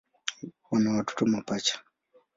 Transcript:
Wana watoto mapacha.